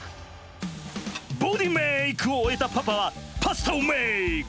ボディメイク！を終えたパパはパスタをメイク！